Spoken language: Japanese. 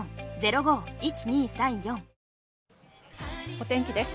お天気です。